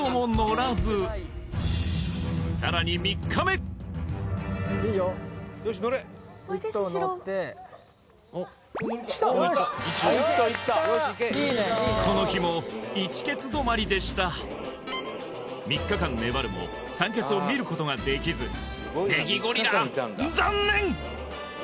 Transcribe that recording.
さらに・１頭乗ってこの日も３日間粘るもサンケツを見ることができずネギゴリラ残念！